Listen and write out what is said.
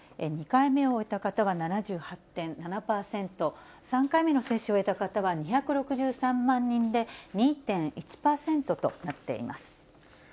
２回目を終えた方は７８．７％、３回目の接種を終えた方は２６３万人で、２．１％となっています。